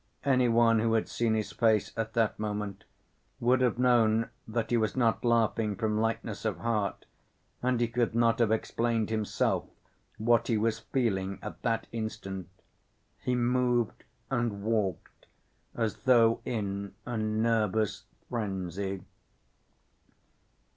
Any one who had seen his face at that moment would have known that he was not laughing from lightness of heart, and he could not have explained himself what he was feeling at that instant. He moved and walked as though in a nervous frenzy.